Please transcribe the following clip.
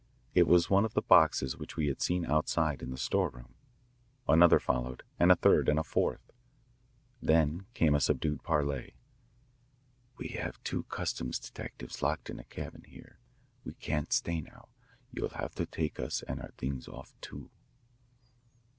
It was one of the boxes which we had seen outside in the storeroom. Another followed, and a third and a fourth. Then came a subdued parley. "We have two customs detectives locked in a cabin here. We can't stay now. You'll have to take us and our things off, too."